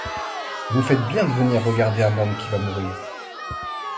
Vous faites bien de venir regarder un homme qui va mourir.